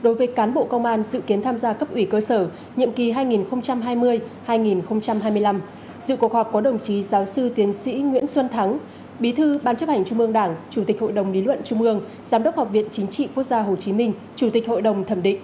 về phía bộ công an có phó giáo sư tiến sĩ thượng tướng nguyễn văn thành ủy viên trung ương đảng thứ trưởng bộ công an